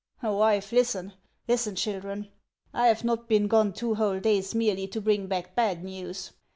" Wife, listen ; listen, children. I 've not been gone two whole days merely to bring back bad news.